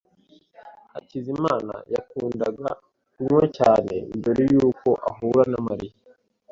Hakizimana yakundaga kunywa cyane mbere yuko ahura na Mariya.